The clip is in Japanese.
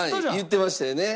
言ってましたよね。